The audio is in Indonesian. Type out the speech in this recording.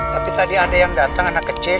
tapi tadi ada yang datang anak kecil